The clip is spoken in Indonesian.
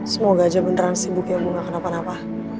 semoga aja beneran sibuk ya ibu nggak akan apa apa